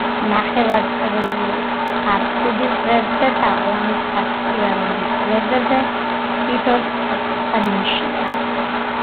ნახევარწრიულ აფსიდის ღერძზე თაღოვანი სარკმელია, რომლის გვერდებზე თითო სწორკუთხა ნიშია.